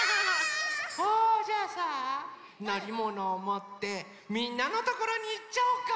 あじゃあさのりものをもってみんなのところにいっちゃおうか！